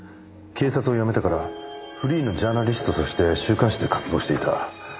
警察を辞めてからフリーのジャーナリストとして週刊誌で活動していた。